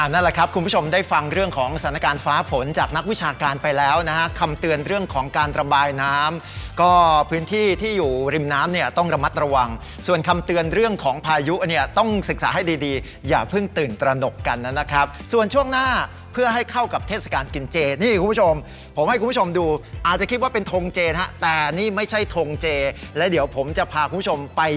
นั่นแหละครับคุณผู้ชมได้ฟังเรื่องของสถานการณ์ฟ้าฝนจากนักวิชาการไปแล้วนะครับคำเตือนเรื่องของการตระบายน้ำก็พื้นที่ที่อยู่ริมน้ำเนี่ยต้องระมัดระวังส่วนคำเตือนเรื่องของพายุเนี่ยต้องศึกษาให้ดีอย่าเพิ่งตื่นตระหนกกันนะครับส่วนช่วงหน้าเพื่อให้เข้ากับเทศกาลกินเจนี่คุณผู้ชมผมให้คุณผู้ชม